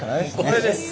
これです。